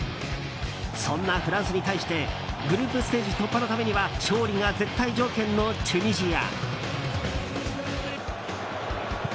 そんなフランスに対してグループステージ突破のためには勝利が絶対条件のチュニジア。